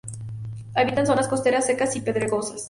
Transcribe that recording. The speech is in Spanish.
Habita en zonas costeras secas y pedregosas.